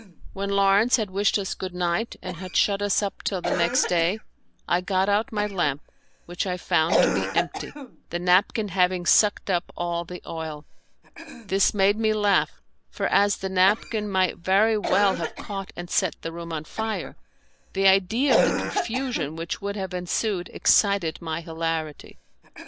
When Lawrence had wished us good night and had shut us up till the next day, I got out my lamp, which I found to be empty, the napkin having sucked up all the oil. This made me laugh, for as the napkin might very well have caught and set the room on fire, the idea of the confusion which would have ensued excited my hilarity.